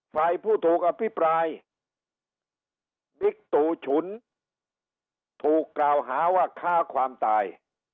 ฝ่ายผู้ถูกอภิปรายบิ๊กตู่ฉุนถูกกล่าวหาว่าฆ่าความตาย